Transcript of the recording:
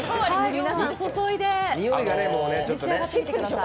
皆さん、注いで召し上がってみてください。